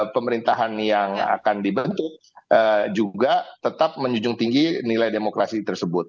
pemerintahan yang akan dibentuk juga tetap menjunjung tinggi nilai demokrasi tersebut